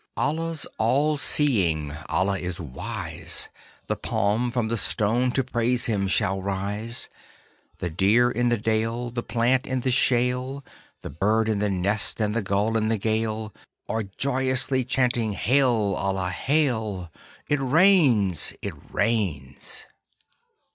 Allah 's all seeing, Allah is wise, The palm from the stone to praise him shall rise; The deer in the dale, The plant in the shale, The bird in the nest, and the gull in the gale Are joyously chanting, Hail, Allah, hail! It rains, it rains!